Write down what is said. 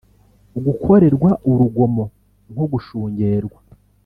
gukorerwa urugomo nko gushungerwa